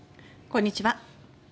こんにちは。